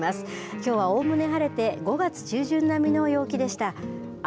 きょうはおおむね晴れて５月中旬並みの陽気でした。